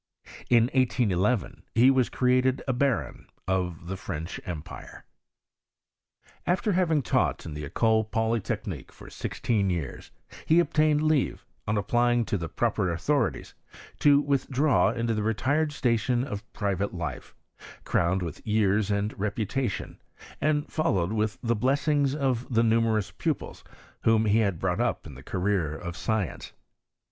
In 1811 be was created a baron of tbe French empire. After having taught in the Ecole Poly technique for sixteen yeajs, he obtained leave, on applying to the proper authorities, to withdraw into the retired station of private life, crowned with years and repu tation, and followed with the blessings of the nu merous pupib whom he had brought up in tbe career of science.